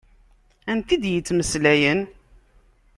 Anta i d-yettmeslayen?